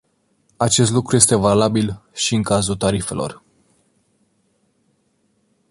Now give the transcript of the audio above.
Acest lucru este valabil și în cazul tarifelor.